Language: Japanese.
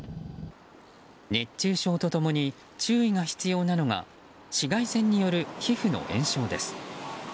熱中症と共に注意が必要なのが紫外線による皮膚の炎症です。